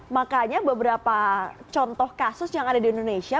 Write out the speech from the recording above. makanya beberapa contoh kasus yang ada di indonesia